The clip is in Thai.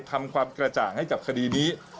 ทำความกระจ่างให้กับคดีนี้